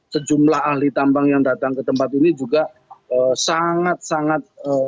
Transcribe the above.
sejumlah ahli tambang yang datang ke tempat ini juga sangat sangat